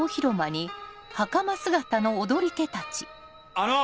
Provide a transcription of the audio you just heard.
あの！